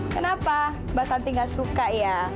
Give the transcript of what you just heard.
kenapa mbak santi gak suka ya